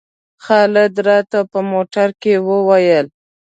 خالد راته په موټر کې وویل.